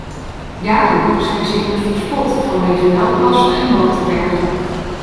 Jarenlang zijn ze immers bespot vanwege melkplassen en boterbergen.